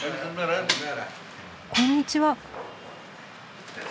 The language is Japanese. こんにちは。